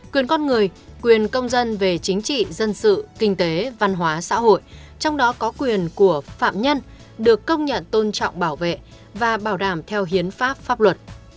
quyền con người quyền công dân về chính trị dân sự kinh tế văn hóa xã hội trong đó có quyền của phạm nhân được công nhận tôn trọng bảo vệ và bảo đảm theo hiến pháp pháp luật